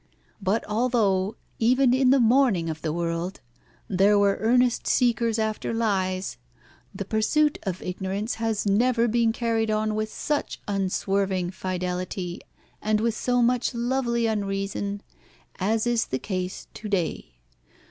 But although, even in the morning of the world, there were earnest seekers after lies, the pursuit of ignorance has never been carried on with such unswerving fidelity and with so much lovely unreason as is the case to day.